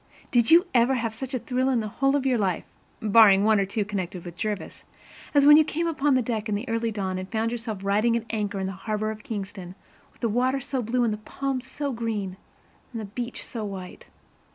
Did you ever have such a thrill in the whole of your life, barring one or two connected with Jervis, as when you came up on deck in the early dawn and found yourself riding at anchor in the harbor of Kingston, with the water so blue and the palms so green and the beach so white?